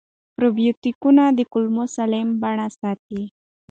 پروبیوتیکونه د کولمو سالمه بڼه ساتي.